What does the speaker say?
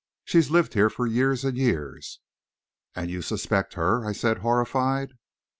She's lived here for years and years." "And you suspect her?" I said, horrified.